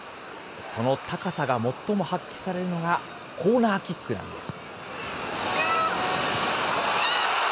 その高さが最も発揮されるのがコーナーキックなんです。